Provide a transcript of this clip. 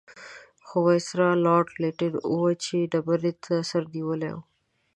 خو وایسرا لارډ لیټن وچې ډبرې ته سر نیولی وو.